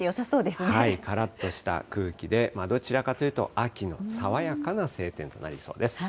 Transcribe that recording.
からっとした空気で、どちらかというと、秋の爽やかな晴天となりそうです。